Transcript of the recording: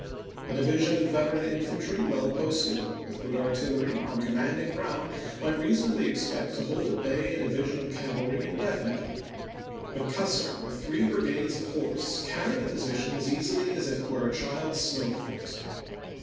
A division of veteran infantry well posted, with good artillery, on commanding ground, might reasonably expect to hold at bay a division of cavalry indefinitely. But Custer with three brigades of horse carried the position as easily as if it were a child's snow fort.